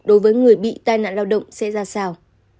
đối với người bị tai nạn lao động sẽ ra sao